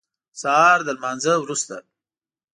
سهار د لمانځه وروسته.